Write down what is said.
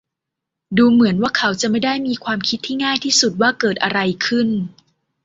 ดูเหมือนว่าเขาจะไม่ได้มีความคิดที่ง่ายที่สุดว่าเกิดอะไรขึ้น